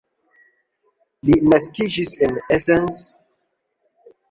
Li naskiĝis en Essen kaj mortis la samloke.